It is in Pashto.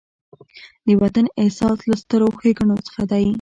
د وطن احساس له سترو ښېګڼو څخه دی.